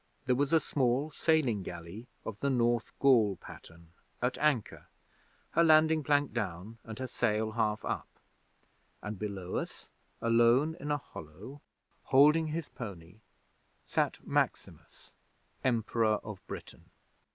There was a small sailing galley of the North Gaul pattern at anchor, her landing plank down and her sail half up; and below us, alone in a hollow, holding his pony, sat Maximus, Emperor of Britain!